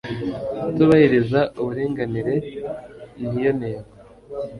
kutubahiriza uburinganire niyo ntego